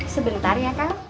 sebentar ya kak